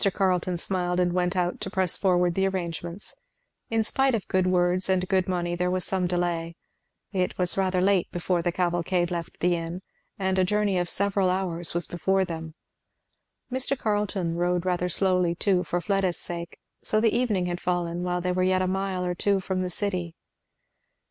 Carleton smiled and went out to press forward the arrangements. In spite of good words and good money there was some delay. It was rather late before the cavalcade left the inn; and a journey of several hours was before them. Mr. Carleton rode rather slowly too, for Fleda's sake, so the evening had fallen while they were yet a mile or two from the city.